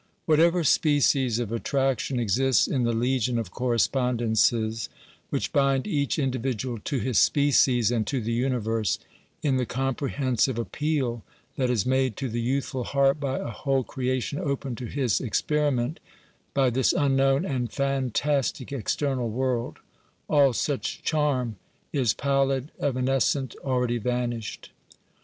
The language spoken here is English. Whatever species of attraction exists in the legion of correspondences which bind each individual to his species and to the universe, in the comprehensive appeal that is made to the youthful heart by a whole creation open to his experiment, by this unknown and fantastic external world — all such charm is pallid, evanescent, already vanished.